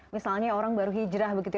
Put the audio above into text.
misalnya orang baru hijrah begitu ya